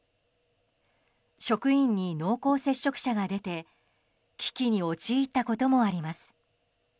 職員に濃厚接触者が出て危機に陥ったこともあります。